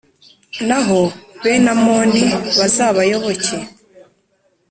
naho bene Amoni bazabayoboke.